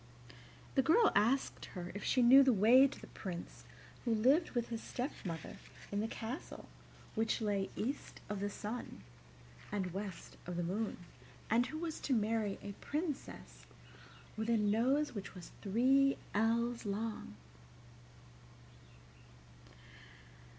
The girl asked her if she knew the way to the Prince who lived with his stepmother in the castle which lay east of the sun and west of the moon, and who was to marry a princess with a nose which was three ells long.